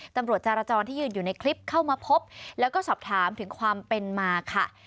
จารจรที่ยืนอยู่ในคลิปเข้ามาพบแล้วก็สอบถามถึงความเป็นมาค่ะ